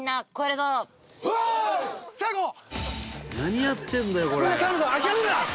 「何やってんだよこれ」